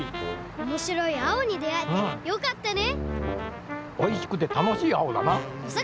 おもしろい青にであえてよかったね！